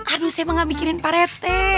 aduh saya mah gak mikirin pak rete